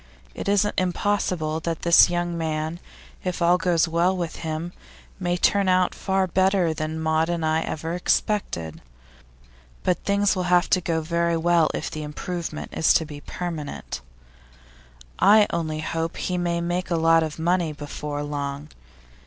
It isn't impossible that this young man, if all goes well with him, may turn out far better than Maud and I ever expected. But things will have to go very well, if the improvement is to be permanent. I only hope he may make a lot of money before long.